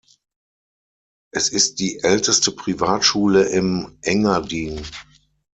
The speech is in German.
Es ist die älteste Privatschule im Engadin.